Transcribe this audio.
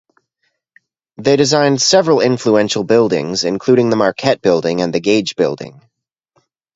They designed several influential buildings, including the Marquette Building and the Gage Building.